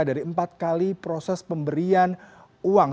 dari empat kali proses pemberian uang